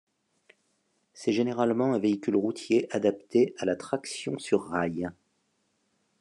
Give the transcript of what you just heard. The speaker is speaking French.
C'est généralement un véhicule routier adapté à la traction sur rail.